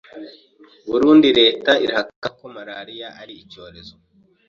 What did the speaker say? Burundi: Leta irahakana ko Malaria ari icyorezo